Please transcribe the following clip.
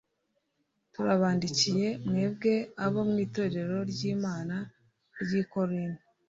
Turabandikiye, mwebwe abo mu Itorero ry'Imana ry'i Korinto,